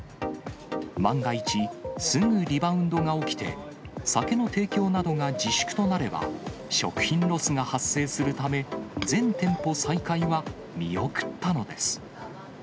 万が一、すぐリバウンドが起きて、酒の提供などが自粛となれば、食品ロスが発生するため、全店舗再開は見送ったのです。